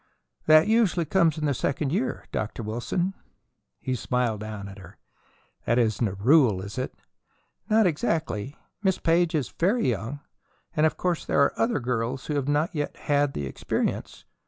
"That usually comes in the second year, Dr. Wilson." He smiled down at her. "That isn't a rule, is it?" "Not exactly. Miss Page is very young, and of course there are other girls who have not yet had the experience.